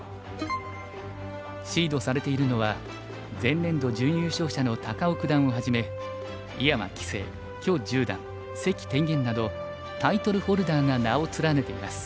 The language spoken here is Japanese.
シードされているのは前年度準優勝者の高尾九段をはじめ井山棋聖許十段関天元などタイトルホルダーが名を連ねています。